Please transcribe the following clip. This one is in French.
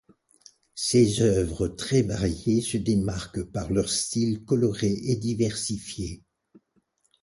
Ses œuvres très variées se démarquent par leur style coloré et diversifié.